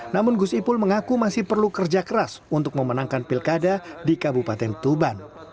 namun gus ipul mengaku masih perlu kerja keras untuk memenangkan pilkada di kabupaten tuban